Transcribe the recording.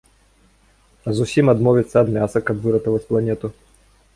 А зусім адмовіцца ад мяса, каб выратаваць планету?